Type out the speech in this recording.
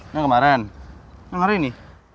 yang kemarin yang hari ini